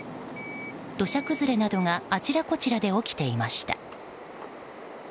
土砂崩れなどがあちらこちらで起きていました。